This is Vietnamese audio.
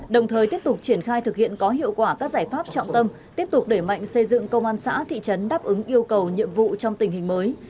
đồng thời tiếp tục triển khai thực hiện có hiệu quả các giải pháp trọng tâm tiếp tục để mạnh xây dựng công an xã thị trấn đáp ứng yêu cầu nhiệm vụ trong tình hình mới